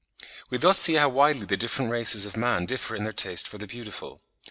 We thus see how widely the different races of man differ in their taste for the beautiful.